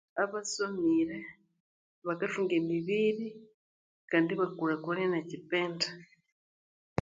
Abasomire bakathunga emibiri kandi ibakulhakulhania ekyipindi